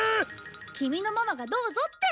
キミのママが「どうぞ」って。